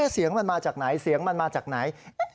เสียงมันมาจากไหนเสียงมันมาจากไหน